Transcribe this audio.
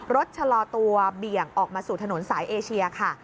ชะลอตัวเบี่ยงออกมาสู่ถนนสายเอเชียค่ะ